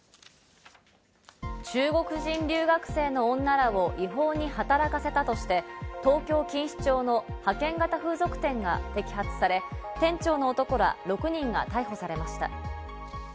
中国人留学生の女らを違法に働かせたとして東京・錦糸町の派遣型風俗店が摘発され、店長の男ら６人が逮捕されました。